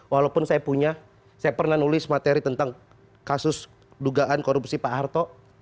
walaupun saya punya saya pernah nulis materi tentang kasus dugaan korupsi pak harto